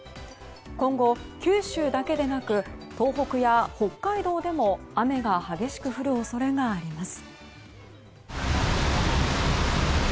今後、九州だけでなく東北や北海道でも雨が激しく降る恐れがあります。